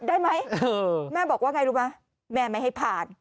ได้ไหมแม่บอกว่าไงรู้ไหมแม่ไม่ให้ผ่าน